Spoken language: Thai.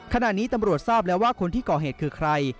ขณะนี้ตำรวจทราบแล้วว่าคนที่ก่อเหตุคือใคร